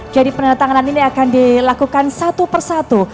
jadi penandatanganan ini akan dilakukan satu persatu